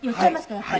やっぱり。